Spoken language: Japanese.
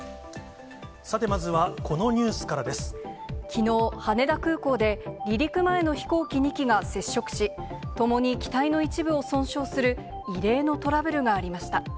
さてまずは、このニュースかきのう、羽田空港で、離陸前の飛行機２機が接触し、ともに機体の一部を損傷する異例のトラブルがありました。